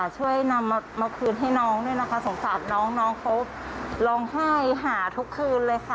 ช่วยนำมาคืนให้น้องด้วยนะคะสงสารน้องน้องเขาร้องไห้หาทุกคืนเลยค่ะ